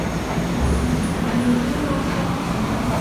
Mu zi cwah nii me ya ka.